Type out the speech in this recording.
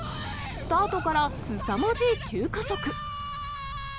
スタートからすさまじい急加速。